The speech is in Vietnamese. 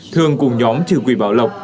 thường cùng nhóm trừ quỷ bảo lộc